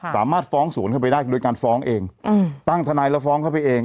สามารถฟ้องศูนย์เข้าไปได้โดยการฟ้องเองตั้งทนายแล้วฟ้องเข้าไปเอง